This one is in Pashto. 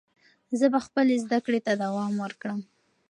زه به خپلې زده کړې ته دوام ورکړم.